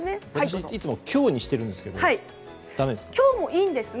私いつも強にしているんですがだめですか。